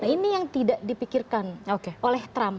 ini yang tidak dipikirkan oleh trump